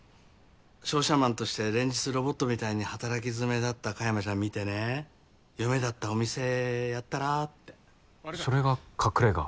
商社マンとして連日ロボットみたいに働きづめだった香山ちゃん見てね「夢だったお店やったら？」ってそれが隠れ家？